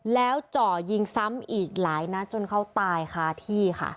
แล้วจ่อยิงซ้ำอีกหลายนัดจนเขาตายคาที่ค่ะ